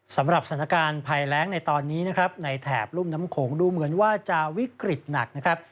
สำหรับสถานการณ์ภัยแรงในตอนนี้นะครับในแถบรุ่มน้ำโขงดูเหมือนว่าจะวิกฤตหนักนะครับ